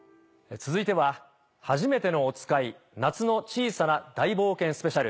続いては『はじめてのおつかい夏の小さな大冒険スペシャル！